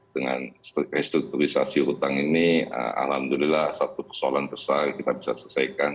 dengan restrukturisasi utang ini alhamdulillah satu persoalan besar kita bisa selesaikan